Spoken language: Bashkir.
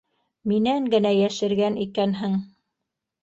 Минән генә йәшергән икәнһең...